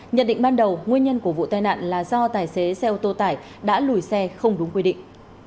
nhận định ban đầu nguyên nhân của vụ tai nạn là do tài xế xe ô tô tải đã lùi xe không đúng quy định